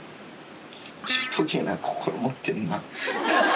ちっぽけな心持ってんな。